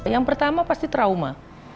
yang pertama pasti trauma